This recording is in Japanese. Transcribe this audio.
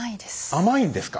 甘いんですか。